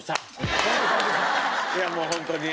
いやもうホントに。